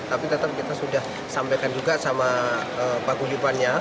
tapi tetap kita sudah sampaikan juga sama pak guyupannya